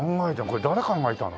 これ誰考えたの？